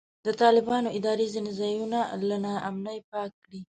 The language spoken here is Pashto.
د طالبانو اداره ځینې ځایونه له نا امنۍ پاک کړي.